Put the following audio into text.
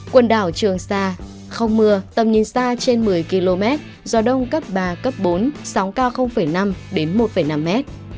quần đảo trường sa không mưa tầm nhìn xa trên một mươi km gió đông cấp ba cấp bốn sóng cao năm một năm mét